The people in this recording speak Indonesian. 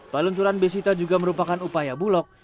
pelunturan besita juga merupakan upaya bulog